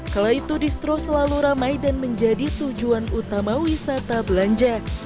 kala itu distro selalu ramai dan menjadi tujuan utama wisata belanja